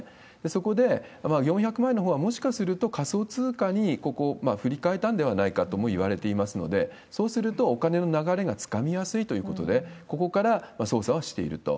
そこで４００万円のほうは、もしかすると仮想通貨にここを振り替えたんではないかともいわれていますので、そうすると、お金の流れがつかみやすいということで、ここから捜査はしていると。